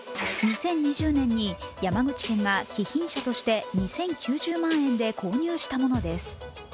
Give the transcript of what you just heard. ２０２０年に山口県が、貴賓車として２０９０万円で購入したものです。